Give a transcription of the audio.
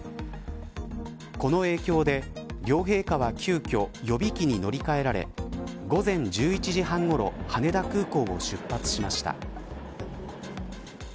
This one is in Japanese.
この影響で、両陛下は急きょ予備機に乗り換えられ午前１１時半ごろ羽田空港を出発しました。